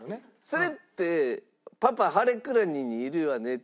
それって「パパハレクラニにいるわね？」っていう